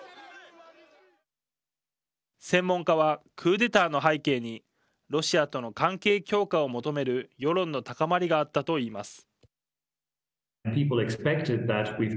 専門家はクーデターの背景にロシアとの関係強化を求める世論の高まりがあったと言います。